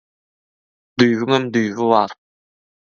Düýbiňem düýbi bar.